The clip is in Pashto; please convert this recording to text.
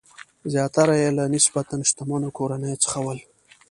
زیاتره یې له نسبتاً شتمنو کورنیو څخه ول.